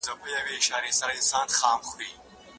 له جګړې نه ترلاسه شوي مالونه به نیمایي کیږي.